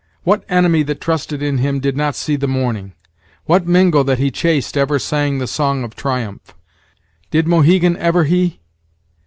What enemy that trusted in him did not see the morning? What Mingo that he chased ever sang the song of triumph? Did Mohegan ever he?